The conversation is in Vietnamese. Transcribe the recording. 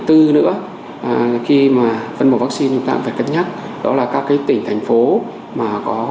tư nữa khi mà phân bổ vắc xin thì chúng ta cũng phải cân nhắc đó là các cái tỉnh thành phố mà có